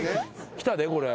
きたでこれ。